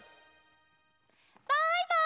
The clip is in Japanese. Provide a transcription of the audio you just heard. バイバイ！